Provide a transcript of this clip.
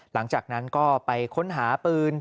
หลังจากนั้นก็ไปค้นหาปืน